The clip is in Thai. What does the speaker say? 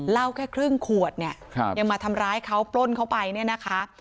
เหล้าแค่ครึ่งขวดเนี่ยยังมาทำร้ายเขาปล้นเขาไปเนี่ยนะคะ